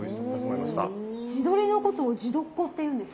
地鶏のことを「地頭鶏」って言うんですね。